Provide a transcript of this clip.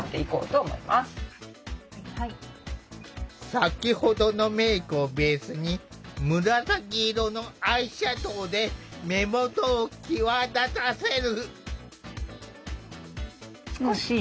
先ほどのメークをベースに紫色のアイシャドウで目元を際立たせる。